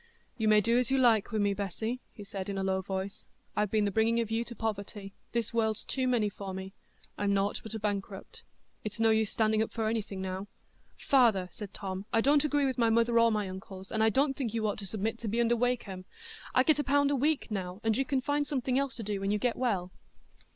"You may do as you like wi' me, Bessy," he said, in a low voice; "I've been the bringing of you to poverty—this world's too many for me—I'm nought but a bankrupt; it's no use standing up for anything now." "Father," said Tom, "I don't agree with my mother or my uncles, and I don't think you ought to submit to be under Wakem. I get a pound a week now, and you can find something else to do when you get well."